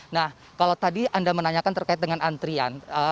nah kalau tadi anda menanyakan terkait dengan antrian